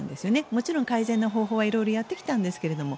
もちろん改善の方法はいろいろやってきたんですけれども。